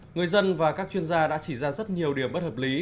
người dân và các chuyên gia đã chỉ ra rất nhiều điểm bất hợp lý